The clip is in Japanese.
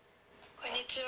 「こんにちは。